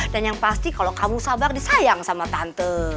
dan yang pasti kalau kamu sabar disayang sama tante